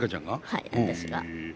はい私が。